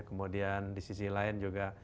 kemudian di sisi lain juga